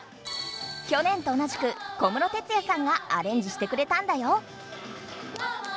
去年と同じく小室哲哉さんがアレンジしてくれたんだよ！